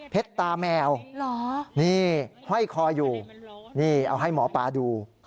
ตาแมวนี่ห้อยคออยู่นี่เอาให้หมอปลาดู